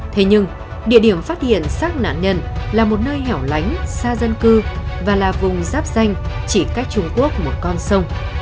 thế nhưng địa điểm phát hiện xác nạn nhân là một nơi hẻo lánh xa dân cư và là vùng giáp danh chỉ cách trung quốc một con sông